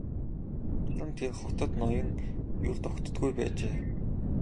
Учир нь тэр хотод ноён ер тогтдоггүй байжээ.